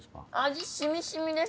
味染み染みです